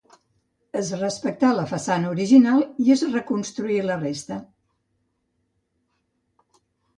Es respectà la façana original i es reconstruí la resta.